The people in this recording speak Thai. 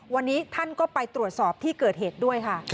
วันนี้ท่านก็ไปตรวจสอบที่เกิดเหตุด้วยค่ะ